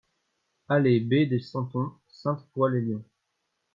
Allée B des Santons, Sainte-Foy-lès-Lyon